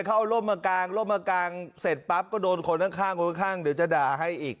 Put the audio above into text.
เขาเอาร่มมากางร่มมากางเสร็จปั๊บก็โดนคนข้างคนข้างเดี๋ยวจะด่าให้อีก